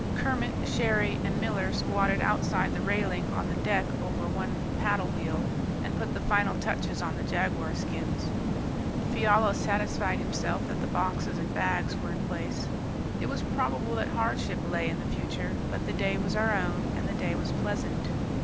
Kermit, Cherrie, and Miller squatted outside the railing on the deck over one paddle wheel and put the final touches on the jaguar skins. Fiala satisfied himself that the boxes and bags were in place. It was probable that hardship lay in the future; but the day was our own, and the day was pleasant.